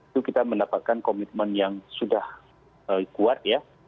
itu kita mendapatkan komitmen yang sudah kuat ya